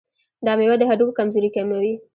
دا مېوه د هډوکو کمزوري کموي.